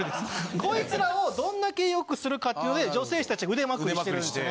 こいつらをどんだけ良くするかっていうので女性誌達が腕まくりしてるんすよね。